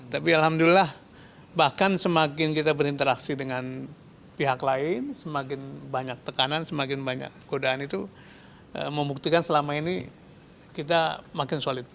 tapi alhamdulillah bahkan semakin kita berinteraksi dengan pihak lain semakin banyak tekanan semakin banyak godaan itu membuktikan selama ini kita makin solid